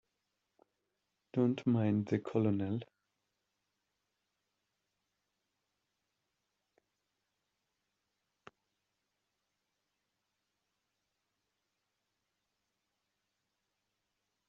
Don't mind the Colonel.